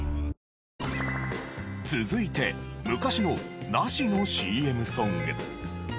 続いて昔の「なし」のＣＭソング。